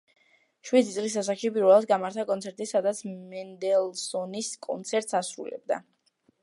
შვიდი წლის ასაკში პირველად გამართა კონცერტი, სადაც მენდელსონის კონცერტს ასრულებდა.